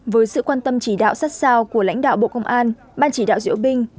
với sự quan tâm chỉ đạo sát sao của lãnh đạo bộ công an ban chỉ đạo diễu binh